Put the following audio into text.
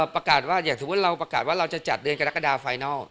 ประกาศว่าอยากถือว่าเราประกาศว่าเราจะจัดเดือนกระดักกระดาศไฟนัล